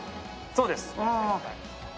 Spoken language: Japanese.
そうです。